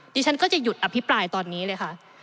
ดิฉันก็จะหยุดอภิปรายตอนนี้เลยค่ะ